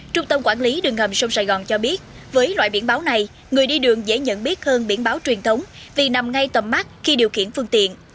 trung tâm quản lý đường hầm sông sài gòn cho biết với loại biển báo này người đi đường dễ nhận biết hơn biển báo truyền thống vì nằm ngay tầm mắt khi điều khiển phương tiện